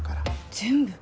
全部？